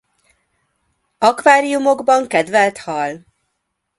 Akváriumokban kedvelt hal.